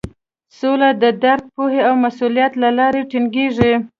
سوله د درک، پوهې او مسولیت له لارې ټینګیږي.